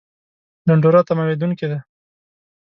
ډنډوره تمامېدونکې ده